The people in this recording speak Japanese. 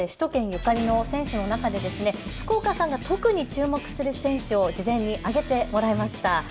首都圏ゆかりの選手の中で福岡さんが特に注目する選手を事前に挙げてもらいました。